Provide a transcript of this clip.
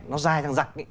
nó dai thẳng rạc